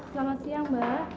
selamat siang mbak